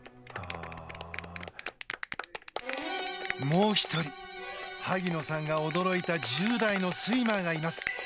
もう１人萩野さんが驚いた１０代のスイマーがいます。